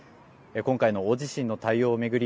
今回の大地震の対応を巡り